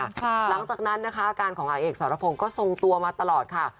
หลังจากนั้นนะคะอาการของอาเอกสรพงศ์ก็ทรงตัวมาตลอดค่ะ